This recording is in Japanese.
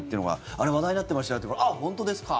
あれ、話題になってましたよってあっ、本当ですか！